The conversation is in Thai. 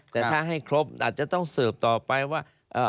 แต่ถ้าให้ครบอาจจะต้องสืบต่อไปว่า